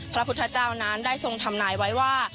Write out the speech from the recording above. พระพุทธเจ้านั้นได้ทรงทำนายไว้ว่า